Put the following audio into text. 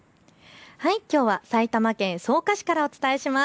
きょうは埼玉県草加市からお伝えします。